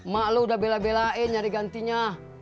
mak lo udah bela belain nyari gantinya